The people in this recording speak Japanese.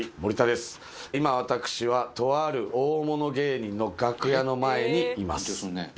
今私はとある大物芸人の楽屋の前にいます。